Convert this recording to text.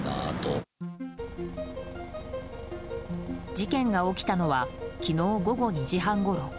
事件が起きたのは昨日午後２時半ごろ。